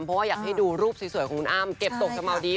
เพราะว่าอยากให้ดูรูปสวยของอัมเก็บตกกับเมาดีป